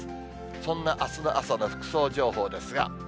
そんなあすの朝の服装情報ですが。